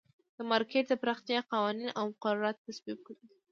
د مارکېټ د پراختیا قوانین او مقررات تصویب کړل.